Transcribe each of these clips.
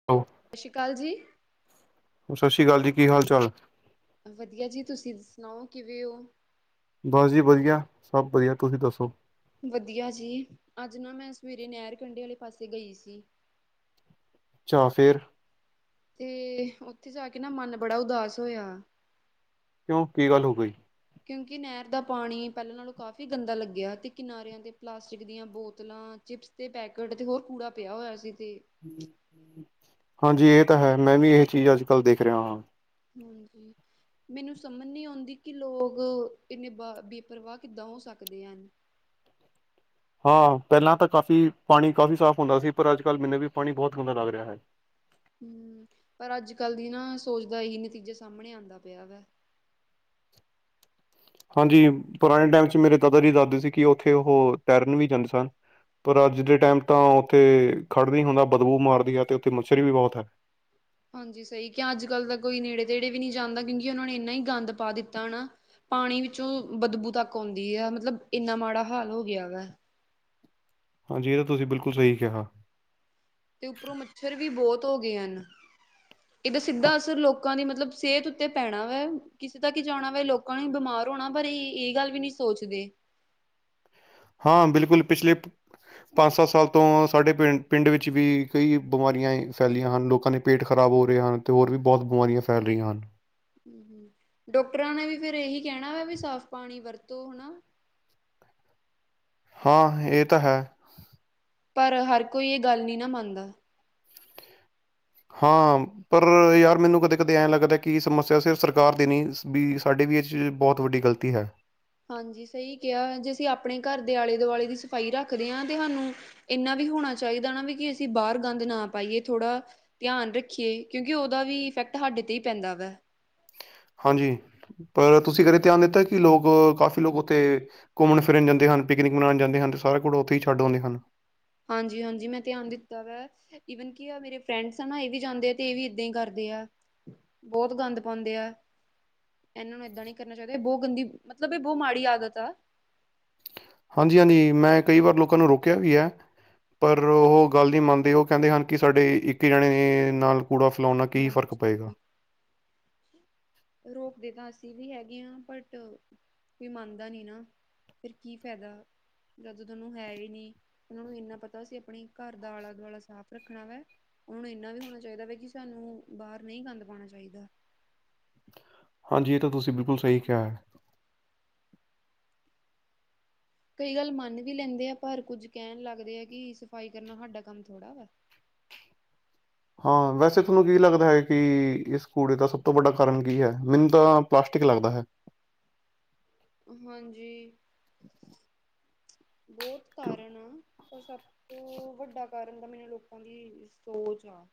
[unintelligible] ੳ ਸਤਿ ਸ਼੍ਰੀ ਅਕਾਲ ਜੀ। ਸਤਿ ਸ਼੍ਰੀ ਅਕਾਲ ਜੀ, ਕੀ ਹਾਲ-ਚਾਲ? ਵਧੀਆ ਜੀ, ਤੁਸੀਂ ਸੁਣਾਓ ਕਿਵੇਂ ਓ? ਬਸ ਜੀ ਵਧੀਆ, ਸਭ ਵਧੀਆ, ਤੁਸੀਂ ਦੱਸੋ? ਵਧੀਆ ਜੀ, ਅੱਜ ਨਾਂ ਮੈਂ ਸਵੇਰੇ ਨਹਿਰ ਕੰਢੇ ਆਲੇ ਪਾਸੇ ਗਈ ਸੀ। ਅੱਛਾ ਫ਼ੇਰ? ਤੇ, ਉੱਥੇ ਜਾ ਕੇ ਨਾਂ ਮਨ ਬੜਾ ਉਦਾਸ ਹੋਇਆ। ਕਿਉਂ ਕੀ ਗੱਲ ਹੋ ਗਈ? ਕਿਉਂਕਿ ਨਹਿਰ ਦਾ ਪਾਣੀ ਪਹਿਲਾਂ ਨਾਲੋਂ ਕਾਫ਼ੀ ਗੰਦਾ ਲੱਗਿਆ, ਤੇ ਕਿਨਾਰਿਆਂ 'ਤੇ ਪਲਾਸਟਿਕ ਦੀਆਂ ਬੋਤਲਾਂ, ਚਿਪਸ ਦੇ ਪੈਕਟ, ਤੇ ਹੋਰ ਕੂੜਾ ਪਿਆ ਹੋਇਆ ਸੀ ਤੇ ਹਾਂਜੀ ਇਹ ਤਾਂ ਹੈ, ਮੈਂ ਵੀ ਇਹ ਚੀਜ਼ ਅੱਜ-ਕੱਲ੍ਹ ਦੇਖ ਰਿਹਾ ਹਾਂ। ਹਾਂਜੀ। ਮੈਨੂੰ ਸਮਝ ਨੀਂ ਆਉਂਦੀ ਕਿ ਲੋਕ, ਇੰਨੇ ਬ-ਬੇਪਰਵਾਹ ਕਿੱਦਾਂ ਹੋ ਸਕਦੇ ਹਨ। ਹਾਂ ਪਹਿਲਾਂ ਤਾਂ ਕਾਫ਼ੀ, ਪਾਣੀ ਕਾਫ਼ੀ ਸਾਫ਼ ਹੁੰਦਾ ਸੀ ਪਰ ਅੱਜ ਕੱਲ੍ਹ ਮੈਨੂੰ ਵੀ ਪਾਣੀ ਬਹੁਤ ਗੰਦਾ ਲੱਗ ਰਿਹਾ ਹੈ। ਹੂੰ, ਪਰ ਅੱਜ-ਕੱਲ੍ਹ ਦੀ ਨਾਂ ਸੋਚ ਦਾ ਇਹੀ ਨਤੀਜਾ ਸਾਹਮਣੇ ਆਂਦਾ ਪਿਆ ਵਾ। ਹਾਂਜੀ, ਪੁਰਾਣੇ ਟਾਈਮ 'ਚ ਮੇਰੇ ਦਾਦਾ ਜੀ ਦਸਦੇ ਸੀ ਕਿ ਉੱਥੇ ਉਹ ਤੈਰਨ ਵੀ ਜਾਂਦੇ ਸਨ। ਪਰ ਅੱਜ ਦੇ ਟਾਈਮ ਤਾਂ ਉੱਥੇ ਖੜ ਨਹੀਂ ਹੁੰਦਾ ਬਦਬੂ ਮਾਰਦੀ ਹੈ, ਤੇ ਉੱਥੇ ਮੱਛਰ ਵੀ ਬਹੁਤ ਹੈ। ਹਾਂਜੀ, ਸਹੀ ਕਿ ਅੱਜ ਕੱਲ੍ਹ ਤਾਂ ਕੋਈ ਨੇੜੇ ਤੇੜੇ ਵੀ ਨਹੀਂੀ ਜਾਂਦਾ ਕਿਉਂਕਿ ਉਹਨਾਂ ਨੇ ਇੰਨਾ ਹੀ ਗੰਦ ਪਾ ਦਿੱਤਾ, ਹਨਾ। ਪਾਣੀ ਵਿੱਚੋਂ ਬਦਬੂ ਤੱਕ ਆਉਂਦੀ ਆ ਮਤਲਬ, ਇੰਨਾ ਮਾੜਾ ਹਾਲ ਹੋ ਗਿਆ ਵਾ ਹਾਂਜੀ, ਇਹ ਤਾਂ ਤੁਸੀਂ ਬਿਲਕੁਲ ਸਹੀ ਕਿਹਾ। ਤੇ ਉੱਪਰੋਂ ਮੱਛਰ ਵੀ ਬਹੁਤ ਹੋ ਗਏ ਹਨ। ਇਹਦਾ ਸਿੱਧਾ ਅਸਰ ਲੋਕਾਂ ਦੀ ਮਤਲਬ ਸਿਹਤ ਤੇ ਪੈਣਾ ਵੇ ਕਿਸੇ ਦਾ ਕਿ ਜਾਣਾ ਵਾ, ਲੋਕਾਂ ਨੂੰ ਬਿਮਾਰ ਹੋਣਾ ਪਰ ਇਹ ਇਹ ਗੱਲ ਵੀ ਨੀ ਸੋਚਦੇ। ਹਾਂ, ਬਿਲਕੁਲ ਪਿਛਲੇ ਪੰਜ, ਸੱਤ ਸਾਲ ਤੋਂ ਸਾਡੇ ਪਿੰਡ ਵਿੱਚ ਵੀ ਕਈ ਬਿਮਾਰੀਆਂ ਫੈਲੀਆਂ ਹਨ, ਲੋਕਾਂ ਨੇ ਪੇਟ ਖ਼ਰਾਬ ਹੋ ਰਹੇ ਹਨ, ਅਤੇ ਹੋਰ ਵੀ ਬਹੁਤ ਬਿਮਾਰੀਆਂ ਫੈਲ ਰਹੀਆਂ ਹਨ। ਹੂੰ ਹੂੰ, ਡਾਕਟਰਾਂ ਨੇ ਵੀ ਫੇਰ ਇਹੀ ਕਹਿਣਾ ਵਾ ਵੀ ਸਾਫ਼ ਪਾਣੀ ਵਰਤੋ ਹਨਾ। ਹਾਂ, ਇਹ ਤਾਂ ਹੈ। ਪਰ ਹਰ ਕੋਈ ਏ ਗੱਲ ਨੀ ਨਾ ਮੰਨਦਾ। ਹਾਂ। ਪਰ ਯਾਰ ਮੈਨੂੰ ਕਦੇ ਕਦੇ ਐਂ ਲੱਗਦਾ ਕਿ ਸਮੱਸਿਆ ਸਿਰਫ ਸਰਕਾਰ ਦੀ ਨੀ ਵੀ ਸਾਡੇ ਵੀ ਏ ਚ ਬਹੁਤ ਵੱਡੀ ਗਲਤੀ ਹੈ। ਹਾਂਜੀ, ਸਹੀ ਕਿਹਾ ਜੇ ਅਸੀਂ ਆਪਣੇ ਘਰ ਦੇ ਆਲੇ ਦੁਆਲੇ ਦੀ ਸਫ਼ਾਈ ਰੱਖਦੇ ਆ ਤੇ ਸਾਨੂੰ ਇੰਨਾ ਵੀ ਹੋਣਾ ਚਾਹੀਦਾ ਨਾ ਵੀ ਕਿ ਅਸੀਂ ਬਾਹਰ ਗੰਦ ਨਾ ਪਾਈਏ ਥੋੜ੍ਹਾ ਧਿਆਨ ਰੱਖੀਏ ਕਿਉਂਕਿ ਉਹਦਾ ਵੀ ਇਫੈਕਟ ਸਾਡੇ ਤੇ ਹੀ ਪੈਂਦਾ ਵਾ ਹਾਂਜੀ, ਪਰ ਤੁਸੀਂ ਕਦੇ ਧਿਆਨ ਦਿੱਤਾ ਕਿ ਲੋਕ ਕਾਫ਼ੀ ਲੋਕ ਉੱਥੇ ਘੁੰਮਣ ਫਿਰਨ ਜਾਂਦੇ ਹਨ। ਪਿਕਨਿਕ ਮਨਾਣ ਜਾਂਦੇ ਹਨ ਸਾਰਾ ਕੁਲ ਉੱਥੇ ਹੀ ਛੱਡ ਆਂਦੇ ਹਨ। ਹਾਂਜੀ, ਹਾਂਜੀ ਮੈਂ ਧਿਆਨ ਦਿੱਤਾ ਵੈ ਇਵਨ ਕੀ ਮੇਰੇ ਫਰੈਂਡਸ ਆ ਨਾ ਇਹ ਵੀ ਜਾਂਦੇ ਆ ਤੇ ਇਹ ਵੀ ਏਦਾਂ ਈ ਕਰਦੇ ਆ। ਬਹੁਤ ਗੰਦ ਪਾਉਂਦੇ ਆ। ਇਹਨਾਂ ਨੂੰ ਏਦਾਂ ਨੀ ਕਰਨਾ ਚਾਹੀਦਾ ਏ ਬਹੁਤ ਗੰਦੀ ਮਤਲਬ ਏ ਬਹੁਤ ਮਾੜੀ ਆਦਤ ਆ ਹਾਂਜੀ-ਹਾਂਜੀ, ਮੈਂ ਕਈ ਵਾਰ ਲੋਕਾਂ ਨੂੰ ਰੋਕਿਆ ਵੀ ਐ। ਪਰ ਓ ਗੱਲ ਨੀ ਮੰਨਦੇ ਉਹ ਕਹਿੰਦੇ ਹਨ ਕਿ ਸਾਡੇ ਇੱਕ ਜਣੇ ਨਾਲ ਕੂੜਾ ਫਲੋਂਨ ਨਾਲ, ਕੀ ਫ਼ਰਕ ਪਏਗਾ ਹਾਂਜੀ। ਰੋਕਦੇ ਤਾਂ ਅਸੀਂ ਵੀ ਹੈਗੇ ਆ ਬਟ ਕੋਈ ਮੰਨਦਾ ਨੀ ਨਾ ਫਿਰ ਕੀ ਫ਼ਾਇਦਾ। ਜਦੋਂ ਤੁਹਾਨੂੰ ਹੈਈ ਨੀ ਉਹਨਾਂ ਨੂੰ ਇੰਨਾ ਪਤਾ ਅਸੀਂ ਆਪਣੇ ਘਰ ਦਾ ਆਲਾ-ਦੁਆਲਾ ਸਾਫ਼ ਰੱਖਣਾ ਵਾ ਉਹਨਾਂ ਨੂੰ ਇੰਨਾ ਵੀ ਹੋਣਾ ਚਾਹੀਦਾ ਵੇ ਕਿ ਸਾਨੂੰ ਬਾਹਰ ਨੀ ਗੰਦ ਪਾਣਾ ਚਾਹੀਦਾ। ਹਾਂਜੀ, ਇਹ ਤਾਂ ਤੁਸੀਂ ਬਿਲਕੁਲ ਸਹੀ ਕਿਹਾ। ਕਈ ਗੱਲ ਮੰਨ ਵੀ ਲੈਂਦੇ ਆ ਪਰ ਕੁੱਝ ਕਹਿਣ ਲੱਗਦੇ ਆ ਕਿ ਸਫ਼ਾਈ ਕਰਨਾ ਸਾਡਾ ਕੰਮ ਥੋੜ੍ਹਾ ਵਾ ਹਾਂ, ਵੈਸੇ ਥੋਨੂੰ ਕੀ ਲੱਗਦਾ ਹੈ ਕਿ ਇਸ ਕੂੜੇ ਦਾ ਸਭ ਤੋਂ ਵੱਡਾ ਕਾਰਨ ਕੀ ਹੈ? ਮੈਨੂੰ ਤਾਂ ਪਲਾਸਟਿਕ ਲੱਗਦਾ ਹੈ। ਹਾਂਜੀ, ਬੋਤ ਕਿਉਂ? ਕਾਰਨ ਆ ਪਰ ਸਭ ਸਭ ਤੋਂ ਵੱਡਾ ਕਾਰਨ ਤਾਂ ਮੈਨੂੰ ਲੋਕਾਂ ਦੀ ਸੋਚ ਆ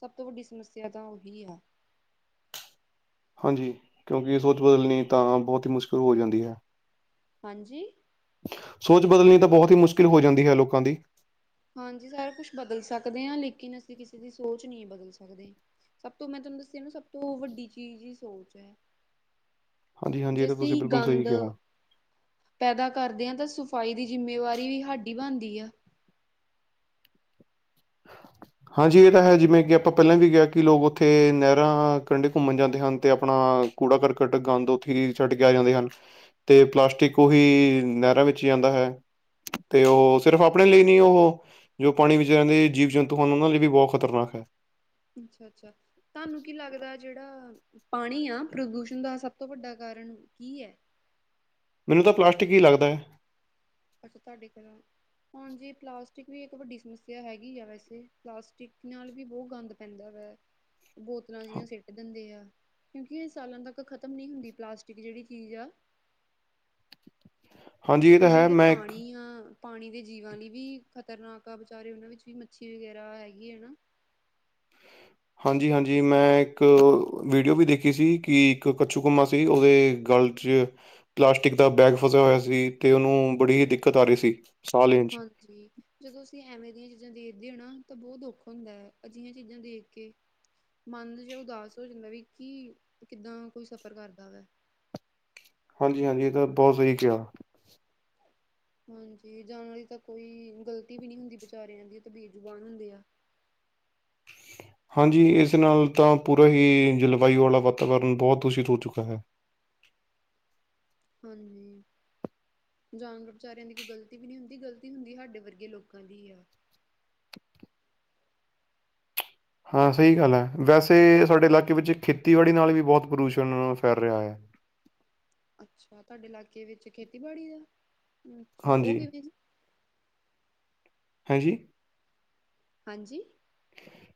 ਸਭ ਤੋਂ ਵੱਡੀ ਸਮੱਸਿਆ ਤਾਂ ਆਹੀ ਆ ਹਾਂਜੀ, ਕਿਉਂਕਿ ਸੋਚ ਬਦਲਣੀ ਤਾਂ ਬੋਤ ਈ ਮੁਸ਼ਕਿਲ ਹੋ ਜਾਂਦੀ ਹੈ। ਹਾਂਜੀ। ਸੋਚ ਬਦਲਣੀ ਤਾਂ ਬਹੁਤ ਹੀ ਮੁਸ਼ਕਿਲ ਹੋ ਜਾਂਦੀ ਹੈ ਲੋਕਾਂ ਦੀ ਹਾਂਜੀ, ਸਾਰਾ ਕੁਛ ਬਦਲ ਸਕਦੇ ਆ ਲੇਕਿਨ ਅਸੀਂ ਕਿਸੇ ਦੀ ਸੋਚ ਨਹੀਂ ਬਦਲ ਸਕਦੇ। ਸਭ ਤੋਂ ਮੈਂ ਤੁਹਾਨੂੰ ਦੱਸਿਆ ਨਾ ਸਭ ਤੋਂ ਵੱਡੀ ਚੀਜ਼ ਈ ਸੋਚ ਐ। ਹਾਂਜੀ ਹਾਂਜੀ ਜੇ ਇਹ ਤਾਂ ਤੁਸੀਂ ਅਸੀਂ ਬਿਲਕੁਲ ਸਹੀ ਗੰਦ ਕਿਹਾ ਪੈਦਾ ਕਰਦੇ ਆ ਤਾਂ ਸਫ਼ਾਈ ਦੀ ਜਿੰਮੇਵਾਰੀ ਵੀ ਸਾਡੀ ਬਣਦੀ ਆ। [inaudible] ਹਾਂਜੀ, ਇਹ ਤਾਂ ਹੈ ਜਿਵੇਂ ਕਿ ਆਪਾਂ ਪਹਿਲਾਂ ਵੀ ਕਿਹਾ ਕਿ ਲੋਕ ਉੱਥੇ ਨਹਿਰਾਂ ਕੰਢੇ ਘੁੰਮਣ ਜਾਂਦੇ ਹਨ ਤੇ ਆਪਣਾ ਕੂੜਾ ਕਰਕਟ ਗੰਦ ਉੱਥੇ ਹੀ ਸਿੱਟ ਕੇ ਆ ਜਾਂਦੇ ਹਨ। ਤੇ ਪਲਾਸਟਿਕ ਉਹੀ ਨਹਿਰਾਂ ਵਿੱਚ ਜਾਂਦਾ ਹੈ ਤੇ ਓ ਸਿਰਫ਼ ਆਪਣੇ ਅੱਛਾ। ਲਈ ਨੀ ਉਹ ਜੋ ਪਾਣੀ ਵਿੱਚ ਰਹਿੰਦੇ ਜੀਵ ਜੰਤੂ ਹਨ ਉਹਨਾਂ ਲਈ ਵੀ ਬਹੁਤ ਖ਼ਤਰਨਾਕ ਹੈ। ਅੱਛਾ ਅੱਛਾ। ਤੁਹਾਨੂੰ ਕੀ ਲੱਗਦਾ ਜਿਹੜਾ ਪਾਣੀ ਆ ਪ੍ਰਦੂਸ਼ਣ ਦਾ ਸਭ ਤੋਂ ਵੱਡਾ ਕਾਰਨ ਕੀ ਐ। ਮੈਨੂੰ ਤਾਂ ਪਲਾਸਟਿਕ ਈ ਲੱਗਦਾ। ਅੱਛਾ ਤੁਹਾਡੇ ਘਰੋਂ, ਹਾਂਜੀ ਪਲਾਸਟਿਕ ਵੀ ਇੱਕ ਵੱਡੀ ਸਮੱਸਿਆ ਹੈਗੀ ਆ ਵੈਸੇ ਪਲਾਸਟਿਕ ਨਾਲ ਵੀ ਬਹੁਤ ਗੰਦ ਪੈਂਦਾ ਵੇ।?? ਬੋਤਲਾਂ ਜਿਹੀਆਂ ਸਿੱਟ ਦਿੰਦੇ ਆ ਕਿਉਂਕਿ ਇਹ ਸਾਲਾਂ ਤੱਕ ਖਤਮ ਨਈਂ ਹੁੰਦੀ ਪਲਾਸਟਿਕ ਜਿਹੜੀ ਚੀਜ਼ ਆ। ਹਾਂਜੀ ਇਹ ਤੇ ਤਾਂ ਹੈ ਜਿਹੜੇ ਮੈਂ ਇੱਕ ਪਾਣੀ ਆ ਪਾਣੀ ਦੇ ਜੀਵਾਂ ਲਈ ਵੀ ਖ਼ਤਰਨਾਕ ਆ ਵਿਚਾਰੇ ਉਹਨਾਂ ਵਿੱਚ ਵੀ ਮੱਛੀ ਵਗੈਰਾ ਹੈਗੀ ਹੈ ਨਾ। ਹਾਂਜੀ ਹਾਂਜੀ, ਮੈਂ ਇੱਕ ਵੀਡੀਓ ਵੀ ਦੇਖੀ ਸੀ ਕਿ ਇੱਕ ਕੱਛੂ ਕੰਮਾਂ ਸੀ ਉਹਦੇ ਗਲ ਚ ਪਲਾਸਟਿਕ ਦਾ ਬੈਗ ਫਸਿਆ ਹੋਇਆ ਸੀ ਤੇ ਉਹਨੂੰ ਬੜੀ ਹੀ ਦਿੱਕਤ ਆ ਰਹੀ ਸੀ। ਸਾਹ ਲੈਣ 'ਚ ਹਾਂਜੀ। ਜਦੋਂ ਅਸੀਂ ਐਵੇਂ ਦੀਆਂ ਚੀਜ਼ਾਂ ਦੇਖਦੇ ਹ ਨਾ ਤਾਂ ਬਹੁਤ ਦੁੱਖ ਹੁੰਦਾ ਐ ਅਜਿਹੀਆਂ ਚੀਜ਼ਾਂ ਦੇਖ ਕੇ। ਮਨ ਜਿਆ ਉਦਾਸ ਹੋ ਜਾਂਦਾ ਵੀ ਕੀ ਕਿੱਦਾਂ ਕੋਈ ਸਫ਼ਰ ਕਰਦਾ ਵਾ। ਹਾਂਜੀ ਹਾਂਜੀ, ਇਹ ਤਾਂ ਬਹੁਤ ਸਹੀ ਕਿਹਾ। ਹਾਂਜੀ ਜਾਂਨਾਂ ਦੀ ਤਾਂ ਕੋਈ ਗ਼ਲਤੀ ਵੀ ਨ੍ਹੀਂ ਹੁੰਦੀ ਬੇਚਾਰਿਆਂ ਦੀ ਤੇ ਬੇ ਜ਼ੁਬਾਨ ਹੁੰਦੇ ਆ। ਹਾਂਜੀ ਇਸ ਨਾਲ ਤਾਂ ਪੂਰਾ ਹੀ ਜਲਵਾਯੂ ਵਾਲਾ ਵਾਤਾਵਰਨ ਬਹੁਤ ਦੂਸ਼ਿਤ ਹੋ ਚੁੱਕਾ ਹੈ। ਹਾਂਜੀ। ਜਾਨਵਰ ਵਿਚਾਰਿਆਂ ਦੀ ਕੋਈ ਗ਼ਲਤੀ ਵੀ ਨ੍ਹੀਂ ਹੁੰਦੀ, ਗਲਤੀ ਹੁੰਦੀ ਸਾਡੇ ਵਰਗੇ ਲੋਕਾਂ ਦੀ ਆ। ਹਾਂ ਸਹੀ ਗੱਲ ਆ ਵੈਸੇ ਸਾਡੇ ਇਲਾਕੇ ਵਿੱਚ ਖੇਤੀਬਾੜੀ ਨਾਲ ਵੀ ਬਹੁਤ ਪ੍ਰਦੂਸ਼ਣ ਫੈਲ ਰਿਹਾ ਹੈ। ਅੱਛਾ ਤੁਹਾਡੇ ਇਲਾਕੇ ਵਿੱਚ ਖੇਤੀਬਾੜੀ ਦਾ, ਅੱਛਾ ਉਹ ਹਾਂਜੀ ਕਿਵੇਂ? ਹਾਂਜੀ। ਹਾਂਜੀ।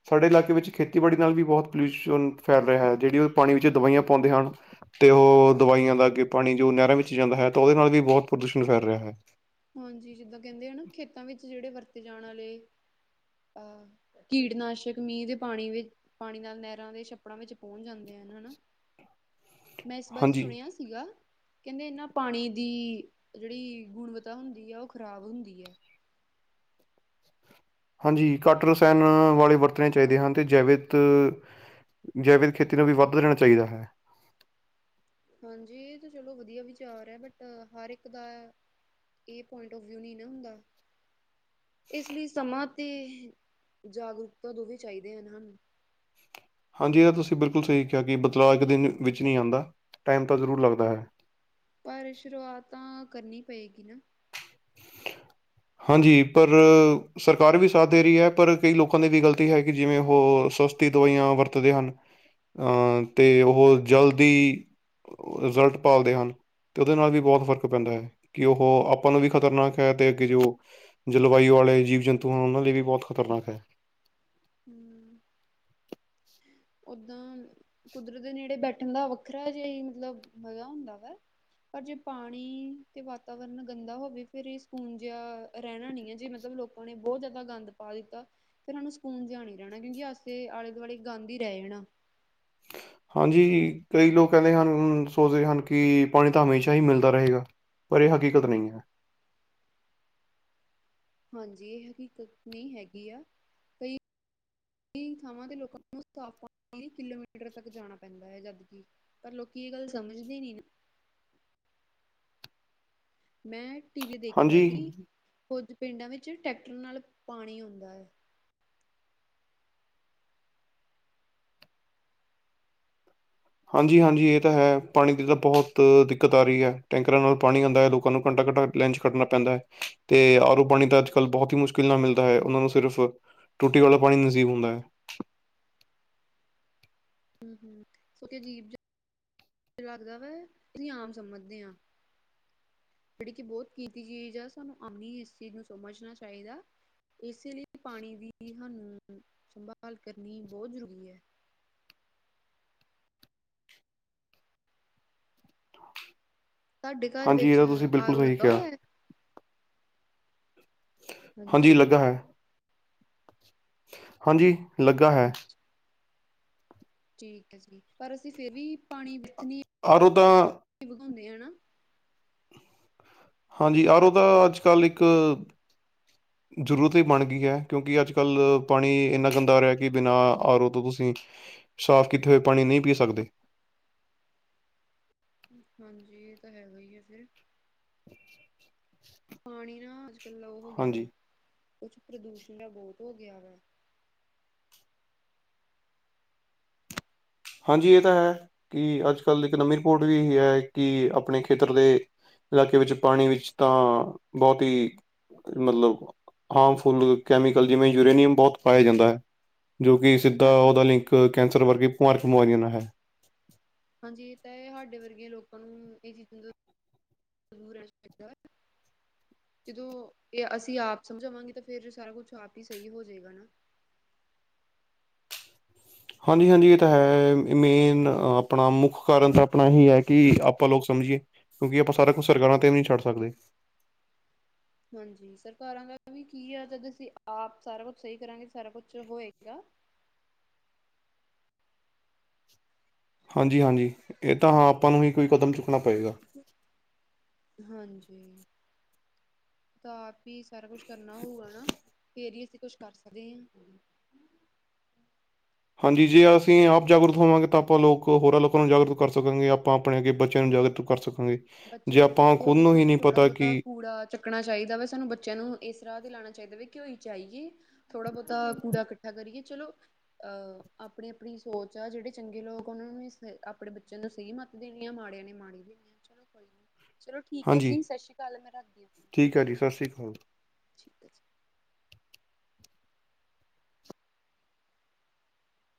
ਸਾਡੇ ਇਲਾਕੇ ਵਿੱਚ ਖੇਤੀਬਾੜੀ ਨਾਲ ਵੀ ਬਹੁਤ ਪੋਲਿਊਸ਼ਨ ਫੈਲ ਰਿਹਾ ਹੈ ਜਿਹੜੀ ਉਹ ਪਾਣੀ ਵਿੱਚ ਦਵਾਈਆਂ ਪਾਉਂਦੇ ਹਨ। ਤੇ ਉਹ ਦਵਾਈਆਂ ਦਾ ਅੱਗੇ ਪਾਣੀ ਜੋ ਨਹਿਰਾਂ ਵਿੱਚ ਜਾਂਦਾ ਹੈ ਤਾਂ ਉਹਦੇ ਨਾਲ ਵੀ ਬਹੁਤ ਪ੍ਰਦੂਸ਼ਣ ਫੈਲ ਰਿਹਾ ਹੈ। ਹਾਂਜੀ ਜਿੱਦਾਂ ਕਹਿੰਦੇ ਆ ਨਾ ਖੇਤਾਂ ਵਿੱਚ ਜਿਹੜੇ ਵਰਤੇ ਜਾਣ ਵਾਲੇ ਅਹ ਕੀਟਨਾਸ਼ਕ ਮੀਂਹ ਦੇ ਪਾਣੀ ਵਿਚ ਪਾਣੀ ਨਾਲ ਨਹਿਰਾਂ ਦੇ ਛੱਪੜਾਂ ਵਿੱਚ ਪਹੁੰਚ ਜਾਂਦੇ ਆ ਹਨਾ, ਮੈਂ ਇਸ ਬਾਰੇ ਹਾਂਜੀ ਸੁਣਿਆ ਸੀਗਾ, ਕਹਿੰਦੇ ਇਹਨਾਂ ਪਾਣੀ ਦੀ ਜਿਹੜੀ ਗੁਣਵੱਤਾ ਤਾ ਹੁੰਦੀ ਆ ਉਹ ਖਰਾਬ ਹੁੰਦੀ ਆ। ਹਾਂਜੀ ਘੱਟ ਰਸਾਇਣ ਵਾਲੇ ਵਰਤਣੇ ਚਾਈਦੇ ਹਨ ਤੇ ਜੈਵਿਤ ਜੈਵਿਕ ਖੇਤੀ ਨੂੰ ਵੀ ਵੱਧ ਦੇਣਾ ਚਾਹੀਦਾ ਹੈ। ਹਾਂਜੀ ਇਹ ਤਾਂ ਚਲੋ ਵਧੀਆ ਵਿਚਾਰ ਐ ਬਟ ਹਰ ਇੱਕ ਦਾ ਇਹ ਪੁਆਇੰਟ ਓਫ ਵਿਊ ਨਈਂ ਨਾ ਹੁੰਦਾ। ਇਸ ਲਈ ਸਮਾਂ ਤੇ ਜਾਗਰੂਕਤਾ ਦੋਵੇਂ ਚਾਹੀਦੇ ਹਨ ਹਾਨੂੰ। ਹਾਂਜੀ ਇਹ ਤੁਸੀਂ ਬਿਲਕੁਲ ਸਹੀ ਕਿਹਾ ਕਿ ਬਦਲਾਅ ਇੱਕ ਦਿਨ ਵਿੱਚ ਨ੍ਹੀਂ ਆਂਦਾ ਟਾਈਮ ਤਾਂ ਜ਼ਰੂਰ ਲੱਗਦਾ ਹੈ। ਪਰ ਸ਼ੁਰੂਆਤ ਤਾਂ ਕਰਨੀ ਪਏਗੀ ਨਾ। ?? ਹਾਂਜੀ ਪਰ ਸਰਕਾਰ ਵੀ ਸਾਥ ਦੇ ਰਹੀ ਐ ਪਰ ਕਈ ਲੋਕਾਂ ਦੀ ਵੀ ਗਲਤੀ ਹੈ ਕਿ ਜਿਵੇਂ ਉਹ ਸਸਤੀ ਦਵਾਈਆਂ ਵਰਤਦੇ ਹਨ। ਅਤੇ ਉਹ ਜਲਦੀ ਰਿਜ਼ਲਟ ਪਾਲਦੇ ਹਨ ਤੇ ਉਹਦੇ ਨਾਲ ਵੀ ਬਹੁਤ ਫ਼ਰਕ ਪੈਂਦਾ ਹੈ ਕਿ ਉਹ ਆਪਾਂ ਨੂੰ ਵੀ ਖ਼ਤਰਨਾਕ ਹੈ ਤੇ ਅੱਗੇ ਜੋ ਜਲਵਾਯੂ ਵਾਲੇ ਜੀਵ ਜੰਤੂ ਹਨ ਉਹਨਾਂ ਲਈ ਵੀ ਬਹੁਤ ਖ਼ਤਰਨਾਕ ਹੈ। ਹਂ, ਓਦਾਂ ਕੁਦਰਤ ਦੇ ਨੇੜੇ ਬੈਠਣ ਦਾ ਵੱਖਰਾ ਜਿਆ ਈ ਮਤਲਬ ਮਜ਼ਾ ਹੁੰਦਾ ਵਾ। ਪਰ ਜੇ ਪਾਣੀ ਤੇ ਵਾਤਾਵਰਨ ਗੰਦਾ ਹੋਵੇ ਫਿਰ ਇਹ ਸਕੂਨ ਜਿਹਾ ਰਹਿਣਾ ਨਈਂ ਐ ਜੇ ਮਤਲਬ ਲੋਕ ਆਪ ਨੇ ਬਹੁਤ ਜ਼ਿਆਦਾ ਗੰਦ ਪਾ ਦਿੱਤਾ ਫਿਰ ਹਾਨੂੰ ਸ ਕੂਨ ਜਿਆ ਨੀ ਰਹਿਣਾ ਕਿਉਂਕਿ ਅਸੀਂ ਆਲੇ-ਦੁਆਲੇ ਗੰਧ ਈ ਰਹਿ ਜਾਣਾ। ਹਾਂਜੀ ਕਈ ਲੋਕ ਕਹਿੰਦੇ ਹਨ, ਸੋਚਦੇ ਹਨ ਕਿ ਪਾਣੀ ਤਾਂ ਹਮੇਸ਼ਾ ਹੀ ਮਿਲਦਾ ਰਹੇਗਾ। ਪਰ ਇਹ ਹਕੀਕਤ ਨਈ ਹੈ। ਹਾਂਜੀ, ਇਹ ਹਕੀਕਤ ਨਹੀ ਹੈਗੀ ਆ। ਕਈ ਥਾਵਾਂ ਤੇ ਲੋਕਾਂ ਨੂੰ ਸਾਫ ਪਾਣੀ ਲੀ ਕਿਲੋਮੀਟਰ ਤੱਕ ਜਾਣਾ ਪੈਂਦਾ ਐ ਜਦਕਿ। ਪਰ ਲੋਕੀ ਇਹ ਗੱਲ ਸਮਝਦੇ ਨੀ ਨਾ। ਮੈਂ ਟੀ ਵੀ ਦੇਖਿਆ ਹਾਂਜੀ ਸੀ ਕੁਜ ਪਿੰਡਾਂ ਵਿੱਚ ਟਰੈਕਟਰ ਨਾਲ ਪਾਣੀ ਆਉਂਦਾ ਐ। ਹਾਂਜੀ-ਹਾਂਜੀ, ਏਹ ਤਾਂ ਹੈ ਪਾਣੀ ਦੀ ਤਾ ਬੋਤ ਦਿੱਕਤ ਆ ਰਈ ਐ, ਟੈਂਕਰਾਂ ਨਾਲ ਪਾਣੀ ਆਂਦਾ ਐ ਲੋਕਾਂ ਨੂੰ ਘੰਟਾ-ਘੱਟਾ ਲੈਂਚ ਖੜਨਾ ਪੈਂਦਾ ਤੇ ਆਰੋ ਪਾਣੀ ਤਾਂ ਅੱਜ-ਕੱਲ ਬੋਹਤ ਹੀ ਮੁਸ਼ਕਿਲ ਨਾਲ ਮਿਲਦਾ ਹੈ ਓਨਾਂ ਨੂੰ ਸਿਰਫ ਟੂਟੀ ਵਾਲਾ ਪਾਣੀ ਨਸੀਬ ਹੁੰਦਾ ਐ। ਹੂੰ-ਹੂੰ, ਸੋ ਕੇ ਅਜੀਬ ਜਾ ਲੱਗਦਾ ਵਾ ਅਸੀ ਆਮ ਸਮਝਦੇ ਆ। ਜਿੜੀ ਕਿ ਬੋਤ ਕੀਤੀ ਚੀਜ ਆ ਸਾਨੂੰ ਆਪਣੀ ਹਿਸਟਰੀ ਨੂੰ ਸਮਝਨਾ ਚਾਈਦਾ। ਇਸੇ ਲਈ ਪਾਣੀ ਦੀ ਸਾਨੁ ਸੰਭਾਲ ਕਰਨੀ ਬੋਹ ਜਰੂਰੀ ਹੈ। ਤਾਡੇ ਘਰ ਹਾਂਜੀ ਇਹ ਵਿੱਚ ਤਾਂ ਤੁਸੀਂ ਬਿਲਕੁਲ ਆਰ ਓ ਸਹੀ ਲੱਗਾ ਕਿਹਾ ਹੋਇਆ? ਹਾਂਜੀ ਲੱਗਾ ਹੈ, ਹਾਂਜੀ ਲੱਗਾ ਹੈ। ਅੱਛਾ ਠੀਕ ਹੈ ਜੀ, ਪਰ ਅਸੀ ਫੇਰ ਵੀ ਪਾਣੀ ਬਿਥਣੀ ਆਰੋ ਤਾਂ ਵਗਾਓਨੇ ਆ ਨਾ। ਹਾਂਜੀ ਆਰਓ ਤਾ ਅੱਜ-ਕੱਲ ਇੱਕ ਜਰੂਰਤ ਈ ਬਣ ਗਈ ਹੈ, ਕਿਉਂਕਿ ਅੱਜ-ਕੱਲ ਪਾਣੀ ਏਨਾ ਗੰਦਾ ਆ ਰਿਆ ਕਿ ਬਿਨਾ ਆਰਓ ਤੋ ਤੁਸੀ ਸਾਫ ਕਿੱਥੇ ਪਾਣੀ ਨਈ ਪੀ ਸਕਦੇ। ਹਾਂਜੀ, ਇਹ ਤਾਂ ਹੈਗਾ ਹੀ ਏ ਫੇਰ। ਪਾਣੀ ਨਾ ਅੱਜ-ਕੱਲ ਲੌ ਹੋ ਗਿਆ ਵਾ, ਹਾਂਜੀ ਕੁਛ ਪ੍ਰਦੂਸ਼ਣ ਦਾ ਬੋਤ ਹੋ ਗਿਆ ਵਾ। ਹਾਂਜੀ ਇਹ ਤਾਂ ਹੈ ਕਿ ਅੱਜ-ਕੱਲ ਇੱਕ ਨਵੀ ਰਿਪੋਰਟ ਵੀ ਏਹੀ ਹੈ ਕਿ ਅਪਣੇ ਖੇਤਰ ਦੇ ਲਾਕੇ ਵਿੱਚ ਪਾਣੀ ਵਿੱਚ ਤਾਂ ਬੋਤ ਹੀ ਮਲਬ ਹਾਰਮਫੁੱਲ ਕੈਮੀਕਲ ਜਿਵੇਂ ਯੂਰੇਨੀਅਮ ਬੋਤ ਪਾਇਆ ਜਾਂਦਾ ਐ। ਜੋ ਕਿ ਸਿੱਧਾ ਓਦਾ ਹਾਂਜੀ। ਲਿੰਕ ਕੈਂਸਰ ਵਰਗੇ ਭਮਾਰਕ ਬਮਾਰੀਆਂ ਨਾਲ ਹੈ। ਹਾਂਜੀ ਏ ਤਾ ਹੈ, ਸਾਡੇ ਵਰਗੇ ਲੋਕਾਂ ਨੂੰ ਏ ਚੀਜਾ ਦੂਰ ਰੈਣਾ ਚਾਈਦਾ। ਜਦੋ ਇਹ ਅਸੀ ਆਪ ਸਮਝਾਵਾਂਗੇ ਤਾਂ ਫੇਰ ਸਾਰਾ ਕੁਛ ਆਪ ਈ ਸਹੀ ਹੋ ਜਏਗਾ ਨਾ। ਹਾਂਜੀ-ਹਾਂਜੀ ਇਹ ਤਾਂ ਹੈ, ਮੇਨ ਆਪਣਾ ਮੁੱਖ ਕਾਰਨ ਤਾਂ ਆਪਣਾ ਏਹੀ ਹੈ ਕਿ ਆਪਾਂ ਲੋਕ ਸਮਝੀਏ ਕਿਉਂਕਿ ਆਪਾ ਸਾਰਾ ਕੁਛ ਸਰਕਾਰਾ ਤੇ ਵੀ ਨਈ ਛੱਡ ਸਕਦੇ। ਹਾਂਜੀ, ਸਰਕਾਰਾ ਦਾ ਵੀ ਕੀ ਆ ਜਦ ਅਸੀ ਆਪ ਸਾਰਾ ਕੁਛ ਸਹੀ ਕਰਾਂਗੇ ਸਾਰਾ ਕੁਛ ਹੋਏਗਾ। ਹਾਂਜੀ-ਹਾਂਜੀ, ਇਹ ਤਾਂ ਹਾ ਆਪਾਂ ਨੂੰ ਹੀ ਕੋਈ ਕਦਮ ਚੁੱਕਣਾ ਪਏਗਾ। ਹਾਂਜੀ। ਤਾ ਆਪ ਹੀ ਸਾਰਾ ਕੁਛ ਕਰਨਾ ਹੋਊਗਾ ਨਾ ਫੇਰ ਹੀ ਅਸੀ ਕੁਛ ਕਰ ਸਕਦੇ ਹਾ। ਹਾਂਜੀ, ਜੇ ਅਸੀ ਆਪ ਜਾਗਰੂਤ ਹੋਵਾਂਗੇ ਤਾ ਆਪਾਂ ਲੋਕ ਹੋਰਾ ਲੋਕਾ ਨੂੰ ਜਾਗਰੂਤ ਕਰ ਸਕਾਂਗੇ, ਆਪਾਂ ਆਪਣੇ ਅੱਗੇ ਬੱਚੇਆਂ ਨੂੰ ਜਾਗਰਤ ਕਰ ਸਕਾਗੇ। ਬੱਚੇਆਂ ਨੂੰ ਕੱਠੇ ਹੋ ਕੇ ਖੁੱਦ ਥੋੜਾ ਬੋਤਾ ਕਿ ਕੂੜਾ ਚੱਕਣਾ ਚਾਹੀਦਾ ਵਾ, ਸਾਨੂੰ ਬੱਚਿਆ ਨੂੰ ਇਸ ਰਾਹ ਦੇ ਲਾਣਾ ਚਾਹੀਦਾ ਵੇ ਕਿਓ ਈ ਚਾਇਏ ਥੋੜਾ ਬੋਤਾ ਕੂੜਾ ਕੱਠਾ ਕਰੀਏ ਚਲੋ ਅਹ ਆਪਣੀ-ਆਪਣੀ ਸੋਚ ਆ, ਜੇੜੇ ਚੰਗੇ ਲੋਕ ਆ ਓਨਾਂ ਨੇ ਆਪਣੇ ਬੱਚੇਆਂ ਨੂੰ ਸਹੀ ਮੱਤ ਦੇਣੀ ਆ, ਮਾੜੇ ਨੇ ਮਾੜੀ ਦੇਨੀ ਆ, ਚਲੋ ਕੋਈ ਨੀ ਚਲੋ ਠੀਕ ਐ ਹਾਂਜੀ ਜੀ ਸਸ ਸ੍ਰੀ ਕਾਲ, ਮੈ ਰੱਖਦੀ ਹਾ। ਠੀਕ ਐ ਜੀ ਸਸ ਸ੍ਰੀ ਕਾਲ। ਠੀਕ ਆ ਜੀ।